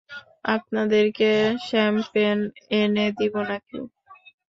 আপনাদেরকে শ্যাম্পেন এনে দিবো নাকি?